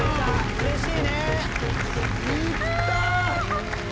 うれしい。